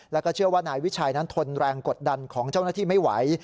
แล้วก็เชื่อว่านายวิชัยนั้นทนแรงกดดันของเจ้าหน้าที่ไม่ไหว